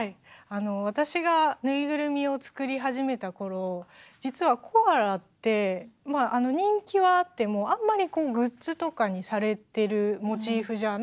私がぬいぐるみを作り始めた頃実はコアラって人気はあってもあんまりグッズとかにされてるモチーフじゃなかったんですよ。